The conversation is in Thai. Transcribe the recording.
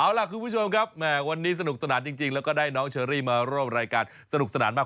เอาล่ะคุณผู้ชมครับแหมวันนี้สนุกสนานจริงแล้วก็ได้น้องเชอรี่มาร่วมรายการสนุกสนานมาก